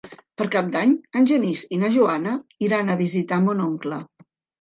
Per Cap d'Any en Genís i na Joana iran a visitar mon oncle.